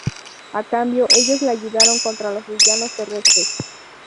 A cambio, ellos le ayudan contra los villanos terrestres.